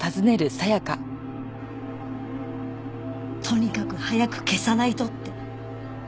とにかく早く消さないとって。